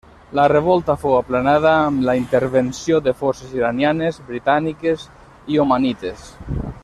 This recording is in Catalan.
La revolta fou aplanada amb la intervenció de forces iranianes, britàniques i omanites.